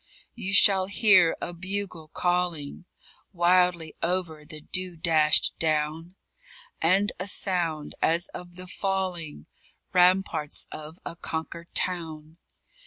You shall hear a bugle calling, Wildly over the dew dashed down, And a sound as of the falling Ramparts of a conquered town.